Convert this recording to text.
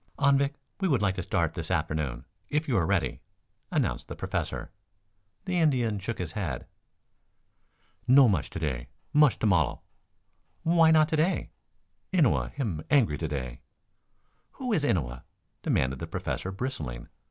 "Anvik, we would like to start this afternoon, if you are ready," announced the Professor. The Indian shook his head. "No mush to day. Mush to mollel." "Why not to day?" "Innua him angry to day." "Who is Innua?" demanded the Professor, bristling.